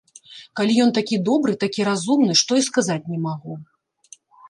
Калі ён такі добры, такі разумны, што і сказаць не магу.